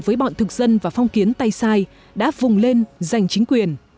với bọn thực dân và phong kiến tay sai đã vùng lên giành chính quyền